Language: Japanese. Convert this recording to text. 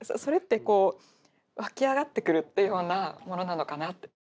それってこう湧き上がってくるっていうようなものなのかなって。